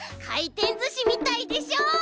かいてんずしみたいでしょ？